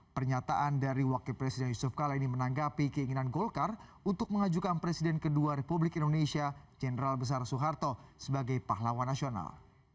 pernyataan dari wakil presiden yusuf kala ini menanggapi keinginan golkar untuk mengajukan presiden kedua republik indonesia jenderal besar soeharto sebagai pahlawan nasional